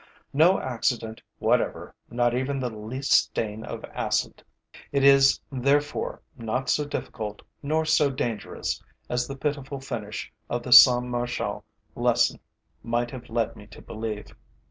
No accident whatever, not even the least stain of acid. It is, therefore, not so difficult nor so dangerous as the pitiful finish of the Saint Martial lesson might have led me to believe.